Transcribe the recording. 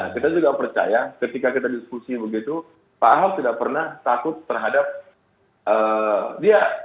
kita juga percaya ketika kita diskusi begitu pak ahok tidak pernah takut terhadap dia